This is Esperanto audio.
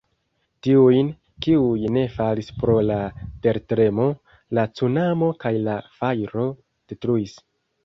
Tiujn, kiuj ne falis pro la tertremo, la cunamo kaj la fajro detruis.